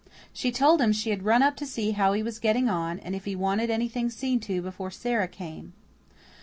She told him she had run up to see how he was getting on, and if he wanted anything seen to before Sara came.